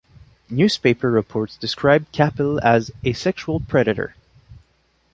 Newspaper-reports described Capill as "a sexual predator".